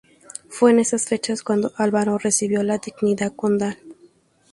Fue en estas fechas cuando Álvaro recibió la dignidad condal.